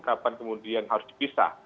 kapan kemudian harus dipisah